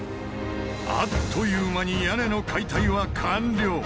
あっという間に屋根の解体は完了。